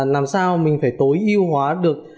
làm sao mình phải tối ưu hóa được